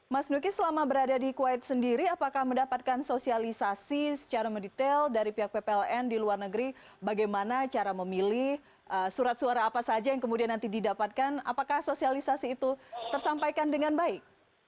mas nuki selama berada di kuwait sendiri apakah mendapatkan sosialisasi secara mendetail dari pihak ppln di luar negeri bagaimana cara memilih surat suara apa saja yang kemudian nanti didapatkan apakah sosialisasi itu tersampaikan dengan baik